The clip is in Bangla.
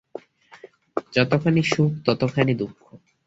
যতখানি সুখ, ততখানি দুঃখ।